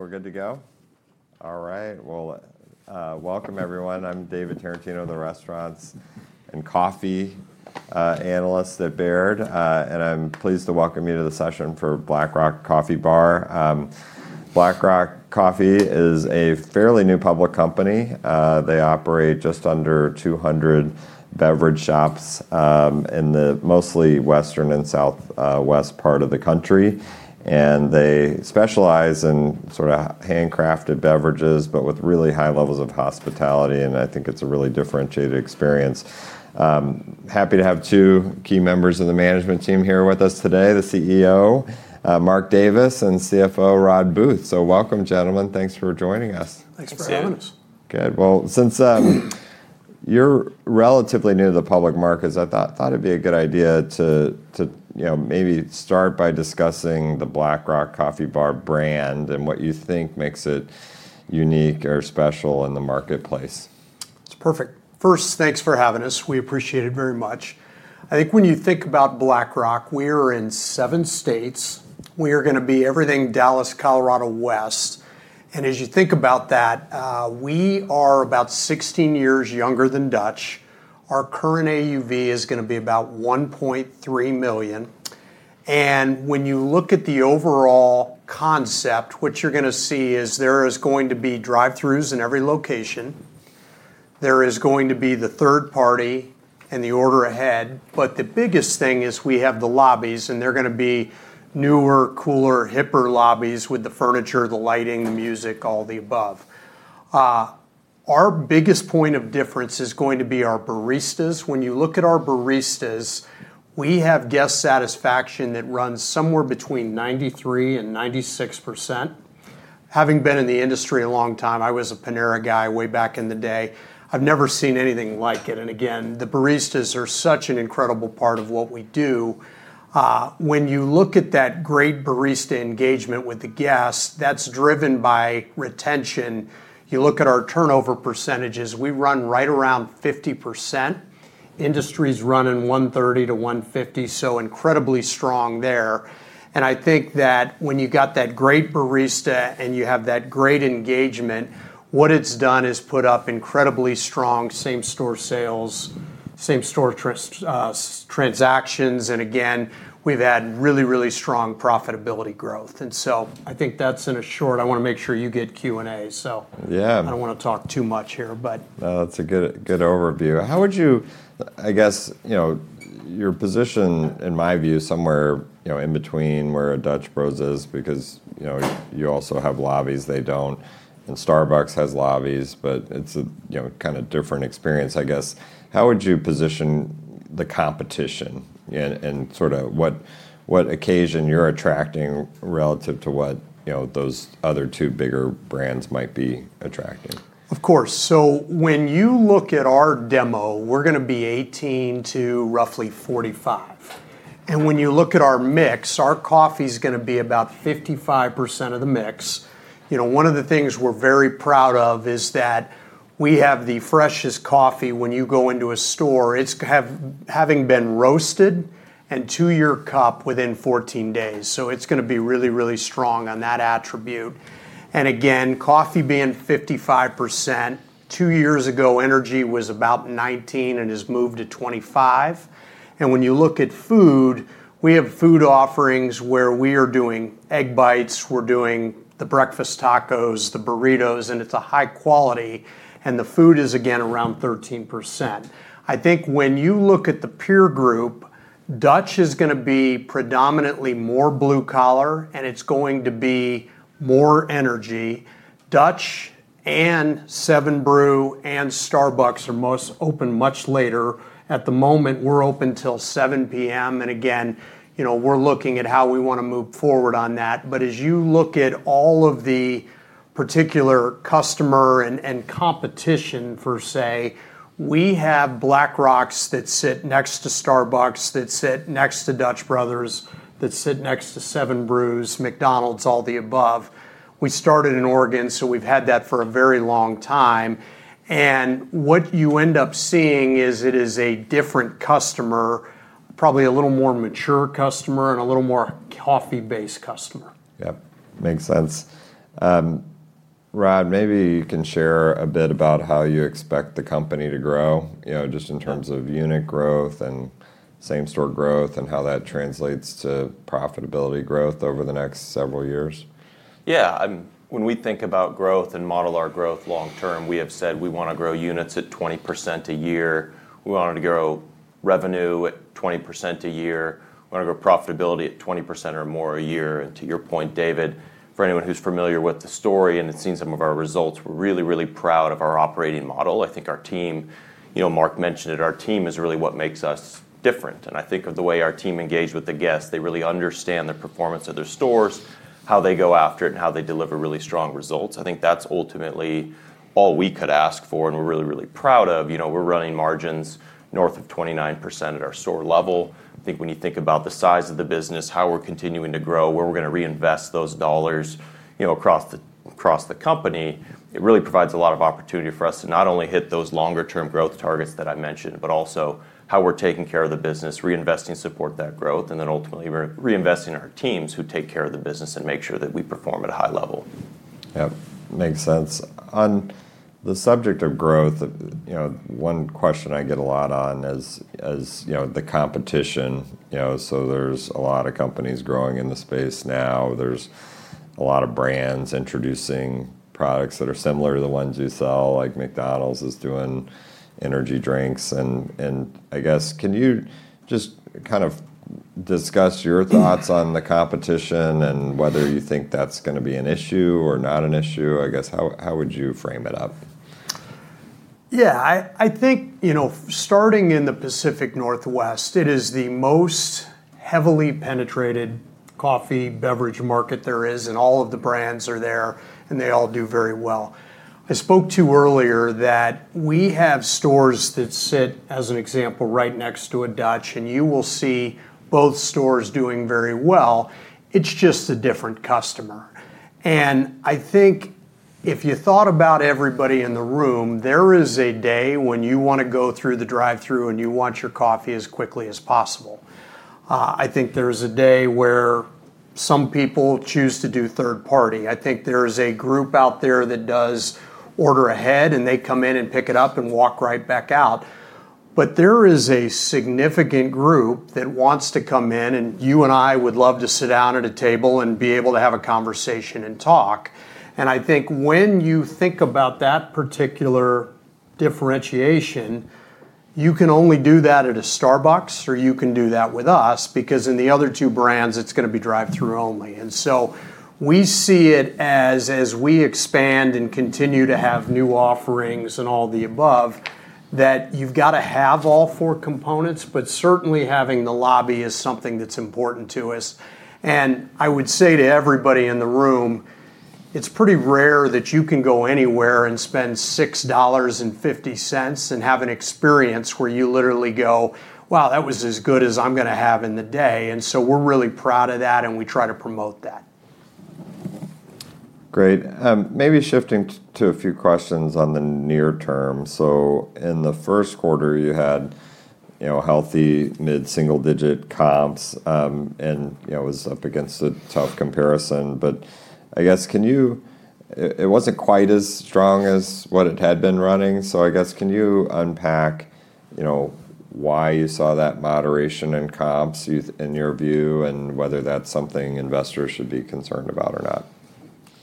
We're good to go? All right. Welcome everyone. I'm David Tarantino, the restaurants and coffee analyst at Baird, and I'm pleased to welcome you to the session for Black Rock Coffee Bar. Black Rock Coffee is a fairly new public company. They operate just under 200 beverage shops in the mostly Western and Southwest part of the country, and they specialize in sort of handcrafted beverages, but with really high levels of hospitality, and I think it's a really differentiated experience. Happy to have two key members of the management team here with us today, the CEO, Mark Davis, and CFO, Rodd Booth. Welcome, gentlemen. Thanks for joining us. Thanks for having us. Good. Well, since you're relatively new to the public markets, I thought it'd be a good idea to maybe start by discussing the Black Rock Coffee Bar brand and what you think makes it unique or special in the marketplace. Perfect. First, thanks for having us. We appreciate it very much. I think when you think about Black Rock, we're in seven states. We are going to be everything Dallas, Colorado west. As you think about that, we are about 16 years younger than Dutch. Our current AUV is going to be about $1.3 million. When you look at the overall concept, what you're going to see is there is going to be drive-throughs in every location. There is going to be the third party, and the order ahead. The biggest thing is we have the lobbies, and they're going to be newer, cooler, hipper lobbies with the furniture, the lighting, the music, all the above. Our biggest point of difference is going to be our baristas. When you look at our baristas, we have guest satisfaction that runs somewhere between 93% and 96%. Having been in the industry a long time, I was a Panera guy way back in the day, I've never seen anything like it. Again, the baristas are such an incredible part of what we do. When you look at that great barista engagement with the guests, that's driven by retention. You look at our turnover percentages, we run right around 50%. Industry's running 130%-150%, so incredibly strong there. I think that when you got that great barista and you have that great engagement, what it's done is put up incredibly strong same-store sales, same-store transactions, again, we've had really, really strong profitability growth. I think that's in a short, I want to make sure you get Q&A. Yeah. I don't want to talk too much here. No, that's a good overview. Your position, in my view, somewhere in between where a Dutch Bros is because you also have lobbies, they don't. Starbucks has lobbies, but it's a kind of different experience, I guess. How would you position the competition and sort of what occasion you're attracting relative to what those other two bigger brands might be attracting? Of course. When you look at our demo, we're going to be 18 to roughly 45. When you look at our mix, our coffee's going to be about 55% of the mix. One of the things we're very proud of is that we have the freshest coffee when you go into a store. It's having been roasted and to your cup within 14 days. It's going to be really, really strong on that attribute. Again, coffee being 55%, two years ago, energy was about 19% and has moved to 25%. When you look at food, we have food offerings where we are doing egg bites, we're doing the breakfast tacos, the burritos, and it's a high quality, and the food is again around 13%. I think when you look at the peer group, Dutch is going to be predominantly more blue collar, and it's going to be more energy. Dutch and 7 Brew and Starbucks are most open much later. At the moment, we're open till 7:00 P.M. Again, we're looking at how we want to move forward on that. As you look at all of the particular customer and competition per se, we have Black Rocks that sit next to Starbucks, that sit next to Dutch Bros, that sit next to 7 Brews, McDonald's, all the above. We started in Oregon, so we've had that for a very long time. What you end up seeing is it is a different customer, probably a little more mature customer, and a little more coffee-based customer. Yep. Makes sense. Rodd, maybe you can share a bit about how you expect the company to grow, just in terms of unit growth and same-store growth, and how that translates to profitability growth over the next several years. When we think about growth and model our growth long term, we have said we want to grow units at 20% a year. We wanted to grow revenue at 20% a year. We want to grow profitability at 20% or more a year. To your point, David, for anyone who's familiar with the story and has seen some of our results, we're really, really proud of our operating model. I think our team, Mark mentioned it, our team is really what makes us different. I think of the way our team engage with the guests. They really understand the performance of their stores, how they go after it, and how they deliver really strong results. I think that's ultimately all we could ask for, and we're really, really proud of. We're running margins north of 29% at our store level. I think when you think about the size of the business, how we're continuing to grow, where we're going to reinvest those dollars across the company, it really provides a lot of opportunity for us to not only hit those longer-term growth targets that I mentioned, but also how we're taking care of the business, reinvesting to support that growth, and then ultimately we're reinvesting in our teams who take care of the business and make sure that we perform at a high level. Yep. Makes sense. On the subject of growth, one question I get a lot on is the competition. There's a lot of companies growing in the space now. There's a lot of brands introducing products that are similar to the ones you sell, like McDonald's is doing energy drinks. I guess, can you just kind of discuss your thoughts on the competition and whether you think that's going to be an issue or not an issue? I guess, how would you frame it up? Yeah. I think, starting in the Pacific Northwest, it is the most heavily penetrated coffee beverage market there is, and all of the brands are there, and they all do very well. I spoke to earlier that we have stores that sit, as an example, right next to a Dutch, and you will see both stores doing very well. It's just a different customer. I think if you thought about everybody in the room, there is a day when you want to go through the drive-thru and you want your coffee as quickly as possible. I think there is a day where some people choose to do third party. I think there's a group out there that does order ahead, and they come in and pick it up and walk right back out. There is a significant group that wants to come in, and you and I would love to sit down at a table and be able to have a conversation and talk. I think when you think about that particular differentiation, you can only do that at a Starbucks, or you can do that with us because in the other two brands, it's going to be drive-thru only. We see it as we expand and continue to have new offerings and all the above, that you've got to have all four components, but certainly having the lobby is something that's important to us. I would say to everybody in the room, it's pretty rare that you can go anywhere and spend $6.50 and have an experience where you literally go, "Wow. That was as good as I'm going to have in the day." We're really proud of that, and we try to promote that. Great. Maybe shifting to a few questions on the near term. In the first quarter, you had healthy mid-single-digit comps, and it was up against a tough comparison. I guess, it wasn't quite as strong as what it had been running. I guess, can you unpack why you saw that moderation in comps in your view, and whether that's something investors should be concerned about or not?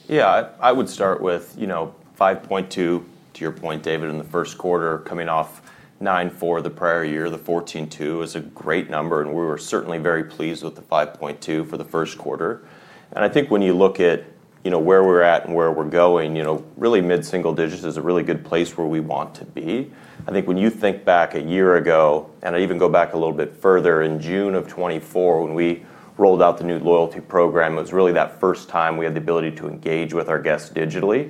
Yeah. I would start with 5.2%, to your point, David, in the first quarter, coming off 9% for the prior year. The 14.2% is a great number, we were certainly very pleased with the 5.2% for the first quarter. I think when you look at where we're at and where we're going, really mid-single digits is a really good place where we want to be. I think when you think back a year ago, I even go back a little bit further in June of 2024, when we rolled out the new loyalty program, it was really that first time we had the ability to engage with our guests digitally.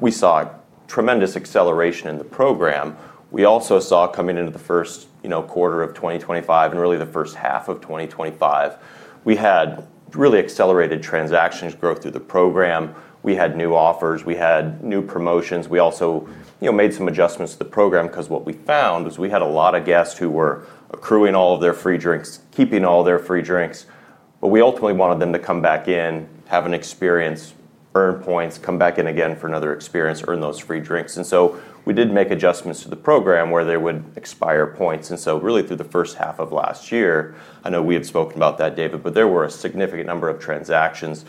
We saw tremendous acceleration in the program. We also saw coming into the first quarter of 2025, really the first half of 2025, we had really accelerated transactions growth through the program. We had new offers. We had new promotions. We also made some adjustments to the program because what we found was we had a lot of guests who were accruing all of their free drinks, keeping all their free drinks, but we ultimately wanted them to come back in, have an experience, earn points, come back in again for another experience, earn those free drinks. We did make adjustments to the program where they would expire points. Really through the first half of last year, I know we had spoken about that, David, but there were a significant number of transactions,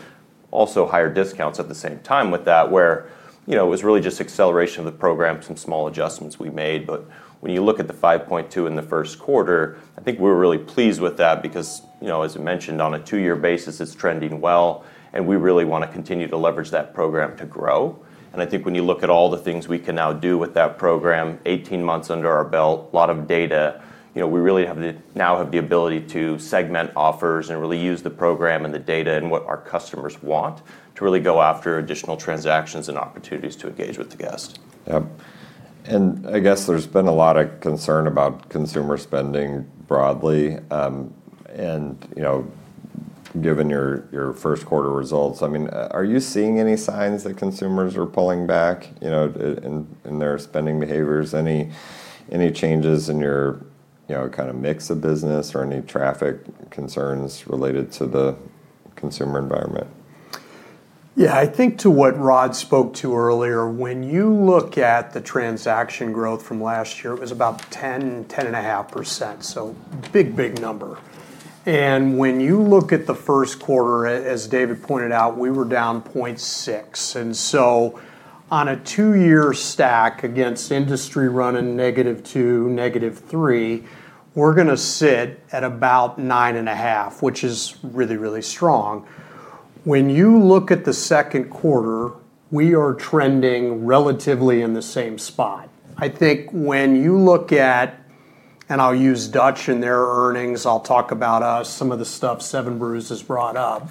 also higher discounts at the same time with that, where it was really just acceleration of the program, some small adjustments we made. When you look at the 5.2% in the first quarter, I think we're really pleased with that because, as I mentioned, on a two-year basis, it's trending well, and we really want to continue to leverage that program to grow. I think when you look at all the things we can now do with that program, 18 months under our belt, a lot of data, we really now have the ability to segment offers and really use the program and the data and what our customers want to really go after additional transactions and opportunities to engage with the guest. Yep. I guess there's been a lot of concern about consumer spending broadly. Given your first quarter results, are you seeing any signs that consumers are pulling back in their spending behaviors? Any changes in your kind of mix of business or any traffic concerns related to the consumer environment? Yeah. I think to what Rodd spoke to earlier, when you look at the transaction growth from last year, it was about 10%, 10.5%, so big number. When you look at the first quarter, as David pointed out, we were down 0.6%. On a two-year stack against industry running -2%, -3%, we're going to sit at about 9.5%, which is really strong. When you look at the second quarter, we are trending relatively in the same spot. I think when you look at, and I'll use Dutch Bros in their earnings, I'll talk about us, some of the stuff 7 Brew has brought up,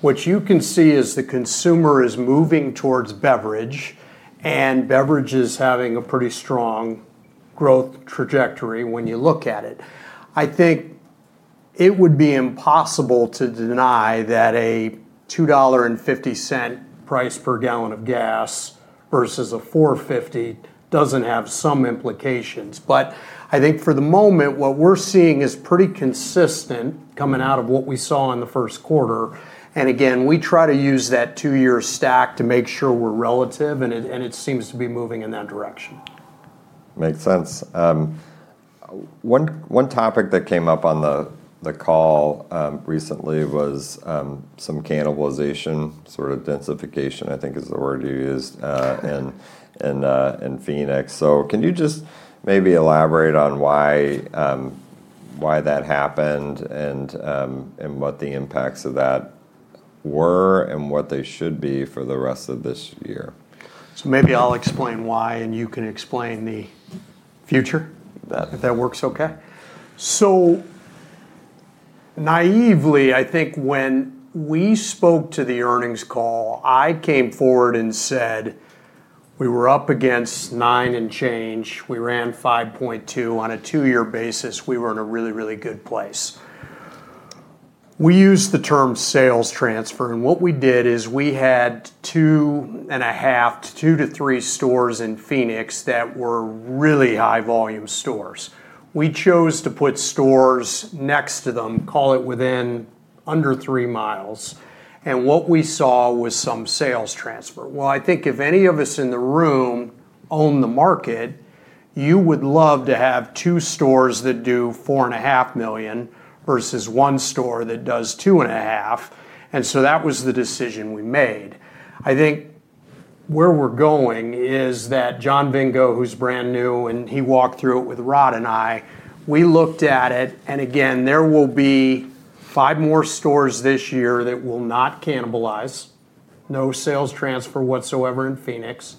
what you can see is the consumer is moving towards beverage, and beverage is having a pretty strong growth trajectory when you look at it. I think it would be impossible to deny that a $2.50 price per gallon of gas versus a $4.50 doesn't have some implications. I think for the moment, what we're seeing is pretty consistent coming out of what we saw in the first quarter. Again, we try to use that two-year stack to make sure we're relative, and it seems to be moving in that direction. Makes sense. One topic that came up on the call recently was some cannibalization, sort of densification, I think is the word you used, in Phoenix. Can you just maybe elaborate on why that happened and what the impacts of that were and what they should be for the rest of this year? Maybe I'll explain why, and you can explain the future. If that works okay. Naively, I think when we spoke to the earnings call, I came forward and said we were up against nine and change. We ran 5.2% on a two-year basis. We were in a really good place. We use the term sales transfer, what we did is we had 2.5 to two to three stores in Phoenix that were really high volume stores. We chose to put stores next to them, call it within under three miles. What we saw was some sales transfer. Well, I think if any of us in the room own the market, you would love to have two stores that do $4.5 million versus one store that does $2.5 million. That was the decision we made. I think where we're going is that Jon Vingo, who's brand new, and he walked through it with Rodd and I, we looked at it, and again, there will be five more stores this year that will not cannibalize. No sales transfer whatsoever in Phoenix.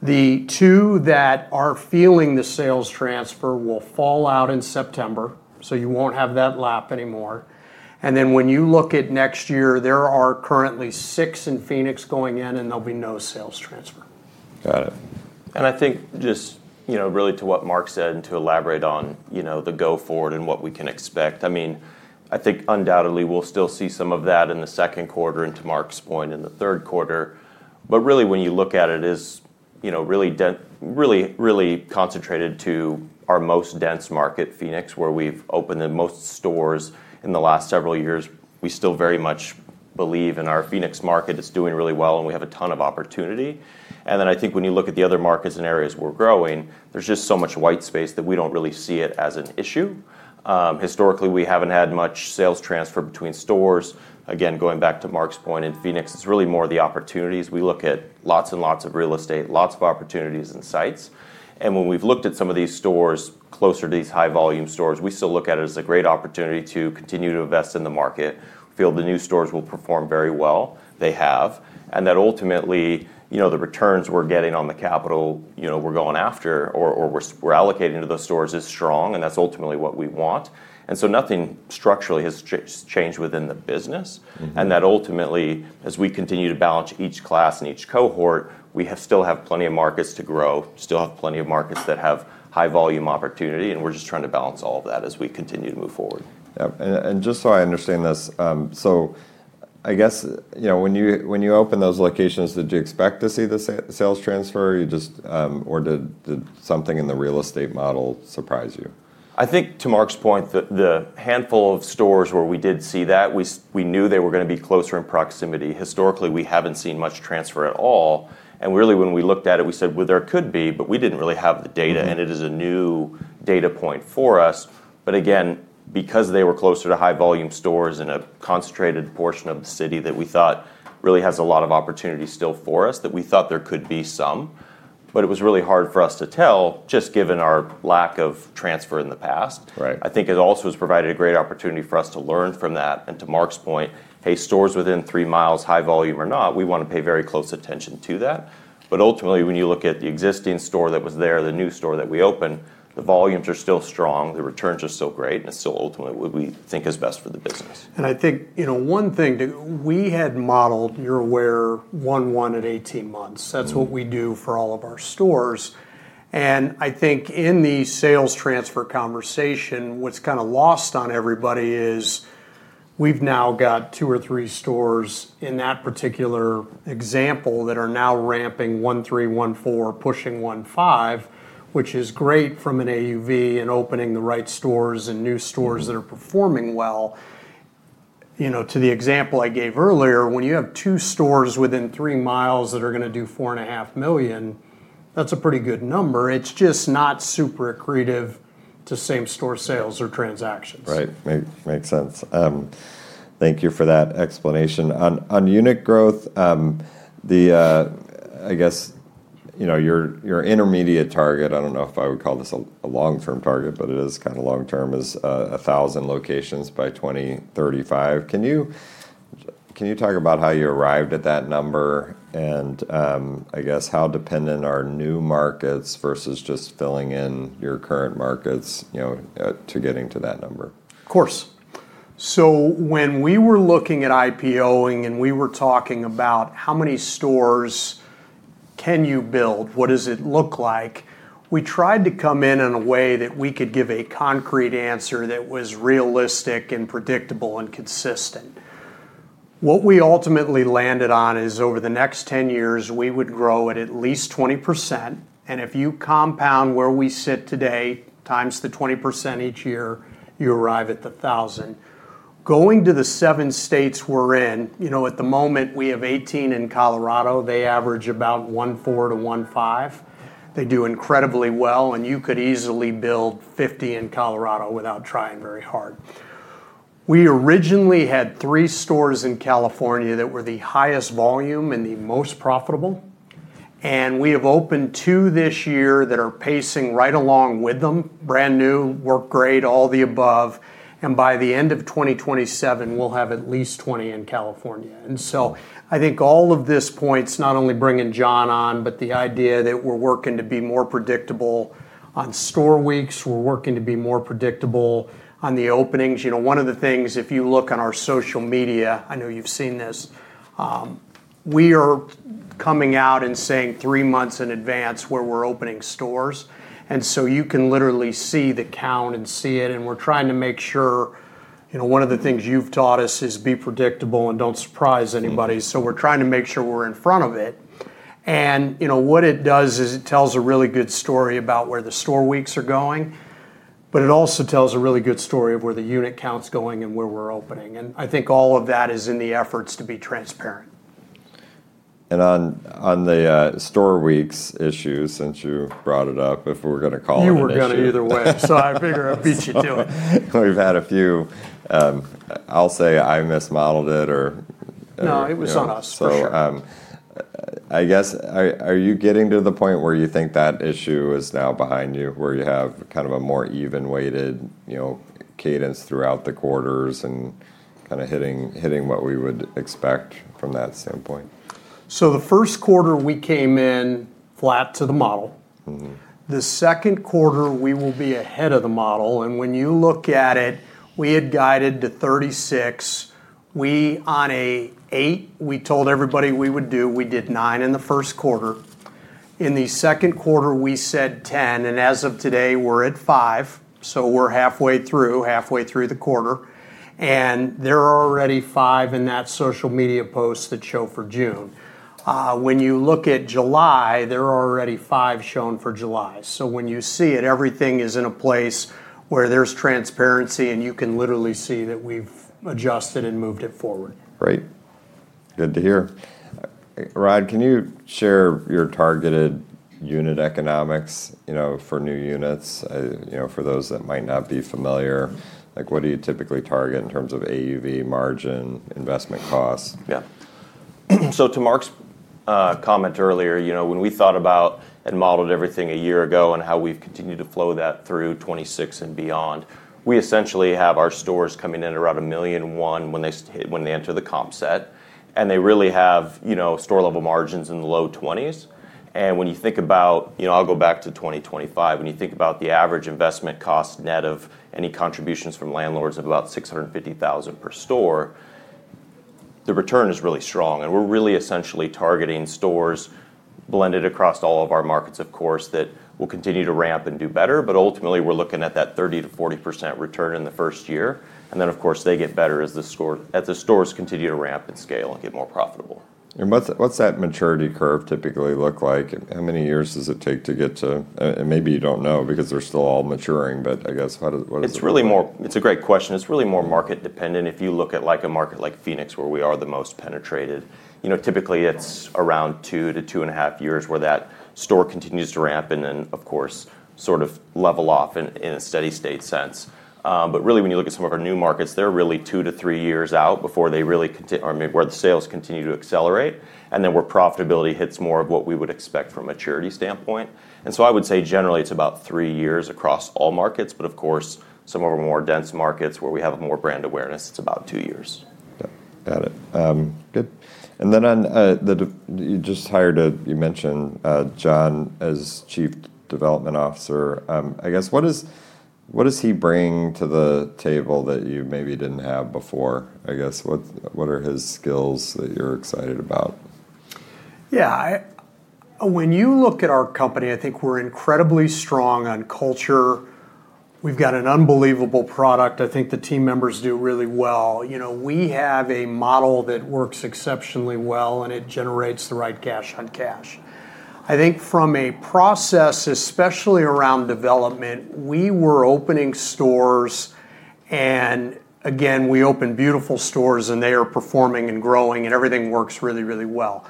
The two that are feeling the sales transfer will fall out in September, so you won't have that lap anymore. When you look at next year, there are currently six in Phoenix going in, and there'll be no sales transfer. Got it. I think just really to what Mark said, to elaborate on the go forward and what we can expect. I think undoubtedly we'll still see some of that in the second quarter, and to Mark's point, in the third quarter. Really, when you look at it is really concentrated to our most dense market, Phoenix, where we've opened the most stores in the last several years. We still very much believe in our Phoenix market. It's doing really well, and we have a ton of opportunity. I think when you look at the other markets and areas we're growing, there's just so much white space that we don't really see it as an issue. Historically, we haven't had much sales transfer between stores. Again, going back to Mark's point in Phoenix, it's really more the opportunities. We look at lots and lots of real estate, lots of opportunities and sites. When we've looked at some of these stores closer to these high volume stores, we still look at it as a great opportunity to continue to invest in the market. We feel the new stores will perform very well. They have. That ultimately, the returns we're getting on the capital we're going after or we're allocating to those stores is strong, and that's ultimately what we want. Nothing structurally has changed within the business. That ultimately, as we continue to balance each class and each cohort, we still have plenty of markets to grow, still have plenty of markets that have high volume opportunity, and we're just trying to balance all of that as we continue to move forward. Yep. Just so I understand this, so I guess when you open those locations, did you expect to see the sales transfer, or did something in the real estate model surprise you? I think to Mark's point, the handful of stores where we did see that, we knew they were going to be closer in proximity. Historically, we haven't seen much transfer at all. Really, when we looked at it, we said, "Well, there could be," but we didn't really have the data. It is a new data point for us. Again, because they were closer to high volume stores in a concentrated portion of the city that we thought really has a lot of opportunity still for us, that we thought there could be some. It was really hard for us to tell, just given our lack of transfer in the past. Right. I think it also has provided a great opportunity for us to learn from that and to Mark's point, hey, stores within three miles, high volume or not, we want to pay very close attention to that. Ultimately, when you look at the existing store that was there, the new store that we opened, the volumes are still strong, the returns are still great, and it's still ultimately what we think is best for the business. I think one thing, we had modeled, you're aware, one wanted 18 months. That's what we do for all of our stores. I think in the sales transfer conversation, what's kind of lost on everybody is we've now got two or three stores in that particular example that are now ramping, $1.3 million, $1.4 million, pushing $1.5 million, which is great from an AUV and opening the right stores and new stores that are performing well. To the example I gave earlier, when you have two stores within three miles that are going to do $4.5 million, that's a pretty good number. It's just not super accretive to same-store sales or transactions. Right. Makes sense. Thank you for that explanation. On unit growth, your intermediate target, I don't know if I would call this a long term target, but it is kind of long term, is 1,000 locations by 2035. Can you talk about how you arrived at that number? I guess how dependent are new markets versus just filling in your current markets to getting to that number? Of course. When we were looking at IPO-ing and we were talking about how many stores can you build, what does it look like, we tried to come in in a way that we could give a concrete answer that was realistic and predictable and consistent. What we ultimately landed on is over the next 10 years, we would grow at least 20%. If you compound where we sit today times the 20% each year, you arrive at the 1,000. Going to the seven states we're in, at the moment, we have 18 in Colorado. They average about $1.4 million to $1.5 million. They do incredibly well, and you could easily build 50 in Colorado without trying very hard. We originally had three stores in California that were the highest volume and the most profitable, and we have opened two this year that are pacing right along with them. Brand new, work great, all the above. By the end of 2027, we'll have at least 20 in California. I think all of this points not only bringing Jon on, but the idea that we're working to be more predictable on store weeks, we're working to be more predictable on the openings. One of the things, if you look on our social media, I know you've seen this, we are coming out and saying three months in advance where we're opening stores. You can literally see the count and see it, and we're trying to make sure, one of the things you've taught us is be predictable and don't surprise anybody. We're trying to make sure we're in front of it. What it does is it tells a really good story about where the store weeks are going, but it also tells a really good story of where the unit count's going and where we're opening. I think all of that is in the efforts to be transparent. On the store weeks issue, since you brought it up, if we're going to call it an issue. You were going to either way, so I figured I'd beat you to it. We've had a few. I'll say I mismodeled it. No, it was on us for sure. I guess, are you getting to the point where you think that issue is now behind you, where you have kind of a more even-weighted cadence throughout the quarters and kind of hitting what we would expect from that standpoint? The first quarter, we came in flat to the model. The second quarter, we will be ahead of the model. When you look at it, we had guided to 36. We did nine in the first quarter. In the second quarter, we said 10, and as of today, we're at five, so we're halfway through the quarter. There are already five in that social media post that show for June. When you look at July, there are already five shown for July. When you see it, everything is in a place where there's transparency, and you can literally see that we've adjusted and moved it forward. Great. Good to hear. Rodd, can you share your targeted unit economics for new units? For those that might not be familiar, what do you typically target in terms of AUV margin, investment costs? Yeah. To Mark's comment earlier, when we thought about and modeled everything a year ago and how we've continued to flow that through 2026 and beyond, we essentially have our stores coming in around $1,000,001 when they enter the comp set, and they really have store-level margins in the low 20s. When you think about, I'll go back to 2025, when you think about the average investment cost net of any contributions from landlords of about $650,000 per store, the return is really strong. We're really essentially targeting stores blended across all of our markets, of course, that will continue to ramp and do better. Ultimately, we're looking at that 30%-40% return in the first year. Then, of course, they get better as the stores continue to ramp and scale and get more profitable. What's that maturity curve typically look like? How many years does it take to get to? Maybe you don't know because they're still all maturing, but I guess what is the? It's a great question. It's really more market-dependent. If you look at a market like Phoenix, where we are the most penetrated. Typically, it's around two to 2.5 years where that store continues to ramp and then, of course, sort of level off in a steady state sense. Really, when you look at some of our new markets, they're really two to three years out where the sales continue to accelerate, and then where profitability hits more of what we would expect from a maturity standpoint. I would say generally it's about three years across all markets, but of course, some of our more dense markets where we have more brand awareness, it's about two years. Got it. Good. Then you just hired, you mentioned Jon as Chief Development Officer. I guess, what does he bring to the table that you maybe didn't have before? I guess, what are his skills that you're excited about? Yeah. When you look at our company, I think we're incredibly strong on culture. We've got an unbelievable product. I think the team members do really well. We have a model that works exceptionally well, and it generates the right cash on cash. I think from a process, especially around development, we were opening stores, and again, we opened beautiful stores, and they are performing and growing, and everything works really, really well.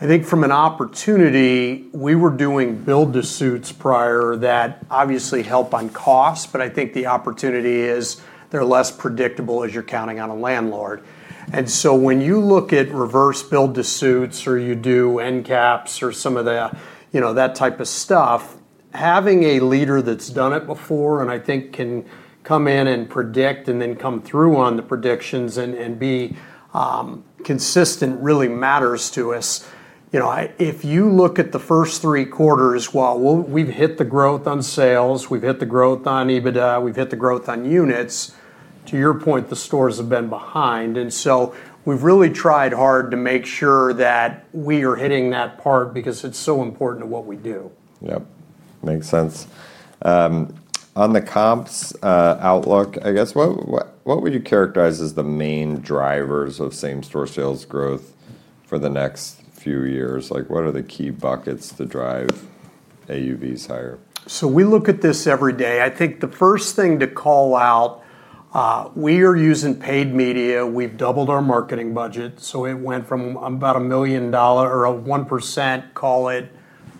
I think from an opportunity, we were doing build-to-suit prior that obviously help on cost, but I think the opportunity is they're less predictable as you're counting on a landlord. When you look at reverse build-to-suit or you do end cap or some of that type of stuff, having a leader that's done it before and I think can come in and predict and then come through on the predictions and be consistent really matters to us. If you look at the first three quarters, while we've hit the growth on sales, we've hit the growth on EBITDA, we've hit the growth on units, to your point, the stores have been behind. We've really tried hard to make sure that we are hitting that part because it's so important to what we do. Yep. Makes sense. On the comps outlook, I guess, what would you characterize as the main drivers of same-store sales growth for the next few years? What are the key buckets to drive AUVs higher? We look at this every day. I think the first thing to call out, we are using paid media. We've doubled our marketing budget. It went from about $1 million, or a 1%, call it,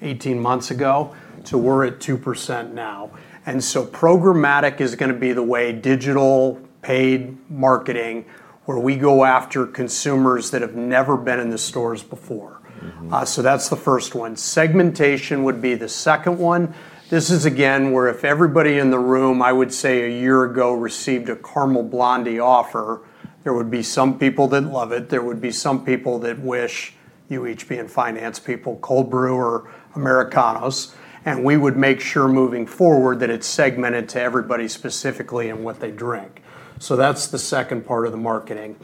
18 months ago, to we're at 2% now. Programmatic is going to be the way digital paid marketing, where we go after consumers that have never been in the stores before. That's the first one. Segmentation would be the second one. This is again, where if everybody in the room, I would say a year ago, received a Caramel Blondie offer, there would be some people that love it, there would be some people that wish you, HP and finance people, cold brew or Americanos. We would make sure moving forward that it's segmented to everybody specifically on what they drink. That's the second part of the marketing.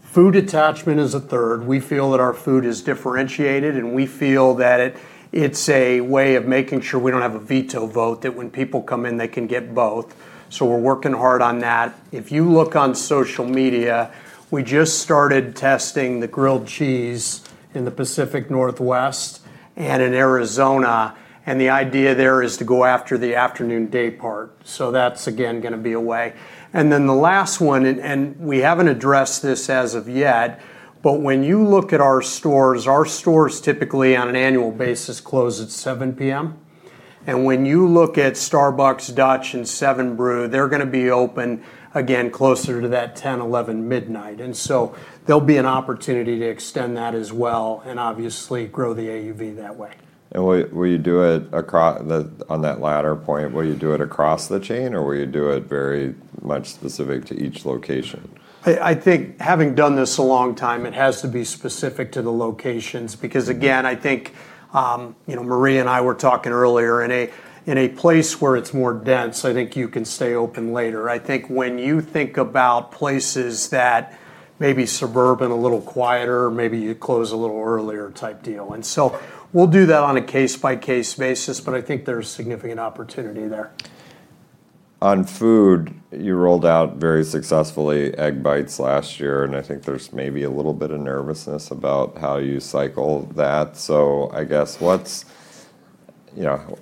Food attachment is a third. We feel that our food is differentiated, and we feel that it's a way of making sure we don't have a veto vote, that when people come in, they can get both. We're working hard on that. If you look on social media, we just started testing the grilled cheese in the Pacific Northwest and in Arizona. The idea there is to go after the afternoon daypart. That's, again, going to be a way. The last one, and we haven't addressed this as of yet, but when you look at our stores, our stores typically on an annual basis close at 7:00 P.M. When you look at Starbucks, Dutch, and 7 Brew, they're going to be open, again, closer to that 10:00, 11:00, midnight. There'll be an opportunity to extend that as well and obviously grow the AUV that way. Will you do it on that latter point, will you do it across the chain, or will you do it very much specific to each location? I think having done this a long time, it has to be specific to the locations. Again, I think, Marie and I were talking earlier, in a place where it's more dense, I think you can stay open later. I think when you think about places that may be suburban, a little quieter, maybe you close a little earlier type deal. We'll do that on a case-by-case basis, I think there's significant opportunity there. On food, you rolled out very successfully egg bites last year. I think there's maybe a little bit of nervousness about how you cycle that. I guess,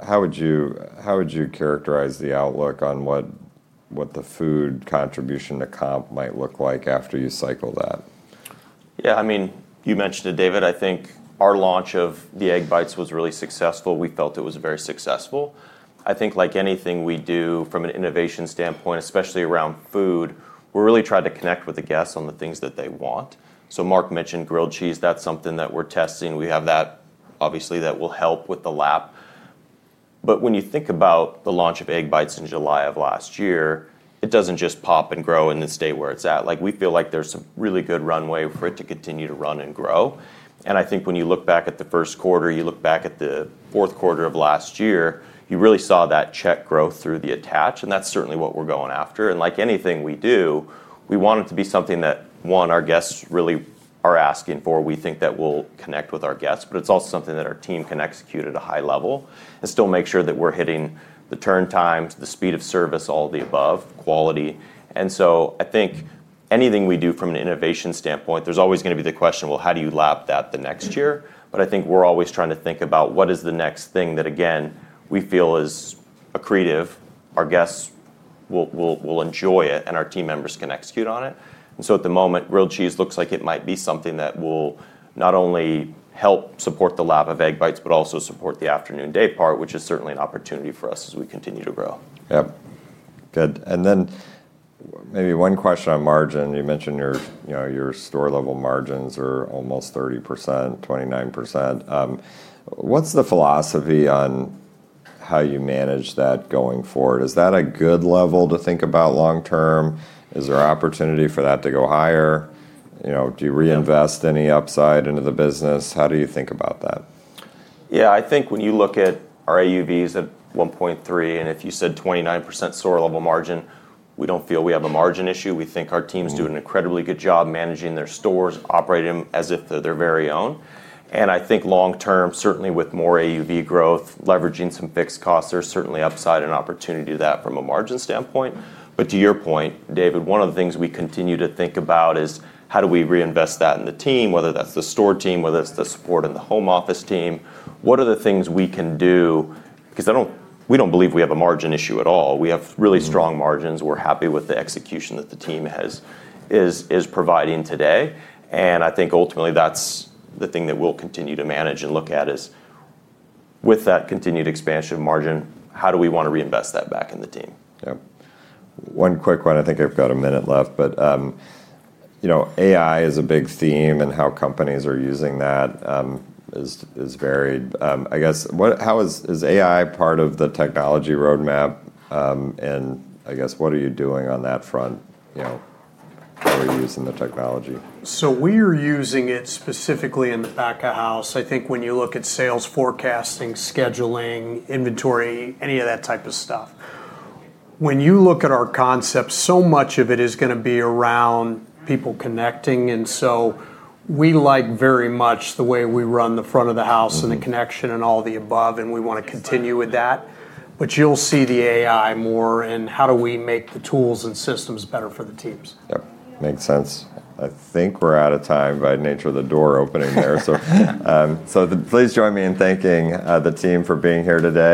how would you characterize the outlook on what the food contribution to comp might look like after you cycle that? Yeah, you mentioned it, David. I think our launch of the egg bites was really successful. We felt it was very successful. I think like anything we do from an innovation standpoint, especially around food, we're really trying to connect with the guests on the things that they want. Mark mentioned grilled cheese. That's something that we're testing. We have that. Obviously, that will help with the lap. When you think about the launch of egg bites in July of last year, it doesn't just pop and grow and then stay where it's at. We feel like there's some really good runway for it to continue to run and grow. I think when you look back at the first quarter, you look back at the fourth quarter of last year, you really saw that check growth through the attach, and that's certainly what we're going after. Like anything we do, we want it to be something that, one, our guests really are asking for. We think that will connect with our guests, but it's also something that our team can execute at a high level and still make sure that we're hitting the turn times, the speed of service, all of the above, quality. I think anything we do from an innovation standpoint, there's always going to be the question, well, how do you lap that the next year? I think we're always trying to think about what is the next thing that, again, we feel is accretive, our guests will enjoy it, and our team members can execute on it. At the moment, grilled cheese looks like it might be something that will not only help support the lap of egg bites but also support the afternoon daypart, which is certainly an opportunity for us as we continue to grow. Yep. Good. Maybe one question on margin. You mentioned your store level margins are almost 30%, 29%. What's the philosophy on how you manage that going forward? Is that a good level to think about long term? Is there opportunity for that to go higher? Do you reinvest any upside into the business? How do you think about that? Yeah, I think when you look at our AUVs at $1.3 million, and if you said 29% store level margin, we don't feel we have a margin issue. We think our teams do an incredibly good job managing their stores, operating them as if they're their very own. I think long term, certainly with more AUV growth, leveraging some fixed costs, there's certainly upside and opportunity to that from a margin standpoint. To your point, David, one of the things we continue to think about is how do we reinvest that in the team, whether that's the store team, whether that's the support in the home office team. What are the things we can do? We don't believe we have a margin issue at all. We have really strong margins. We're happy with the execution that the team is providing today. I think ultimately, that's the thing that we'll continue to manage and look at is with that continued expansion margin, how do we want to reinvest that back in the team? Yep. One quick one. I think I've got a minute left. AI is a big theme, and how companies are using that is varied. I guess, is AI part of the technology roadmap? I guess, what are you doing on that front? How are you using the technology? We're using it specifically in the back of house. I think when you look at sales forecasting, scheduling, inventory, any of that type of stuff. When you look at our concept, so much of it is going to be around people connecting, and so we like very much the way we run the front of the house and the connection and all the above, and we want to continue with that. You'll see the AI more and how do we make the tools and systems better for the teams. Yep. Makes sense. I think we're out of time by nature of the door opening there, so please join me in thanking the team for being here today.